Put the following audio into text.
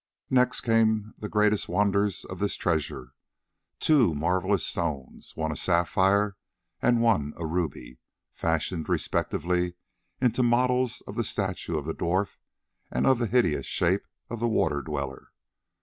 Next came the greatest wonders of this treasure, two marvellous stones, one a sapphire and one a ruby, fashioned respectively into models of the statue of the Dwarf and of the hideous shape of the Water Dweller.